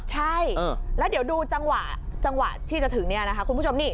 ใช่แล้วเดี๋ยวดูจังหวะจังหวะที่จะถึงเนี่ยนะคะคุณผู้ชมนี่